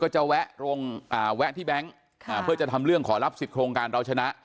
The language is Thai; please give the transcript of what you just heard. จะแวะที่แบงค์เพื่อจะทำเรื่องขอรับสิทธิโครงการเราชนะ